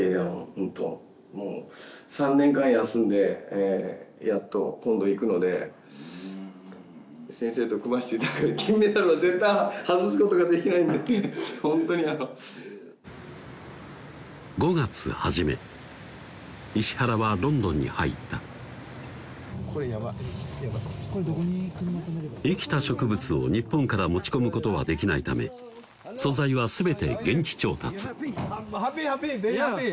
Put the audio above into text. ホントもう３年間休んでやっと今度行くので先生と組ませていただくので金メダルは絶対外すことができないんでホントにあの５月初め石原はロンドンに入った生きた植物を日本から持ち込むことはできないため素材は全て現地調達ハッピーハッピーベリーハッピー！